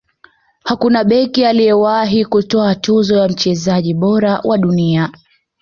hakuna beki aliyewahi kutwaa tuzo ya mchezaji bora wa dunia